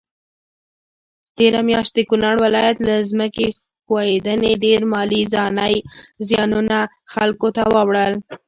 تيره مياشت د کونړ ولايت کي ځمکي ښویدني ډير مالي ځانی زيانونه خلکوته واړول